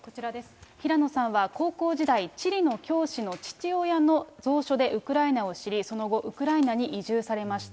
平野さんは高校時代、地理の教師の父親の蔵書でウクライナを知り、その後、ウクライナに移住されました。